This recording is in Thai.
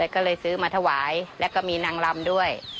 ก็เลยซื้อมาถวายแล้วก็มีนางลำด้วย